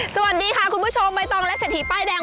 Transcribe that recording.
สวัสดีค่ะคุณผู้ชมใบตองและเศรษฐีป้ายแดง